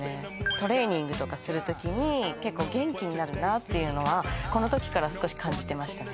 トレーニングとかする時に結構元気になるなというのはこの時から少し感じてましたね